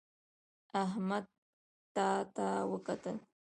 احمد تا ته وکتل